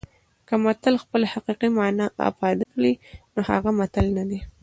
که متل خپله حقیقي مانا افاده کړي نو هغه متل نه دی